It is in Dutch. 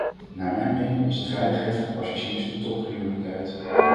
Naar mijn mening is de veiligheid van passagiers de topprioriteit.